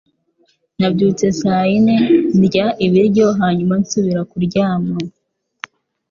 Nabyutse saa yine, ndya ibiryo, hanyuma nsubira kuryama.